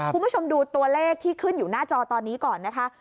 คุณผู้ชมดูตัวเลขที่ขึ้นอยู่หน้าจอตอนนี้ก่อนนะคะ